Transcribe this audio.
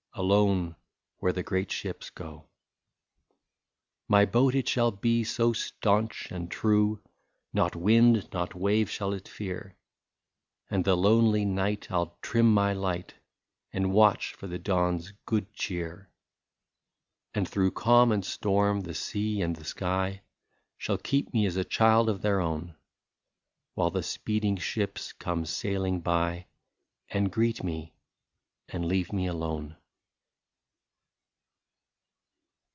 Alone, where the great ships go. " My boat it shall be so staunch and true, Not wind, not wave, shall it fear ; And the lonely night I 11 trim my light. And watch for the dawn's good cheer. 125 And through calm and storm, the sea and the sky Shall keep me as child of their own, While the speeding ships come sailing by, And greet me, and leave me alone."